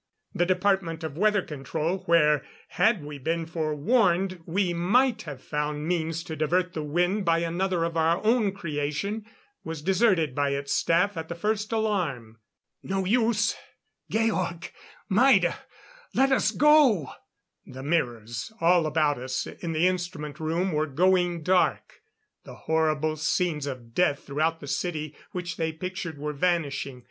The department of weather control where had we been forewarned we might have found means to divert the wind by another of our own creation was deserted by its staff at the first alarm. "No use! Georg Maida let us go!" The mirrors all about us in the instrument room were going dark; the horrible scenes of death throughout the city which they pictured were vanishing.